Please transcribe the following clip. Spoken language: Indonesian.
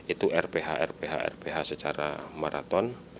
itu rph rph rph secara maraton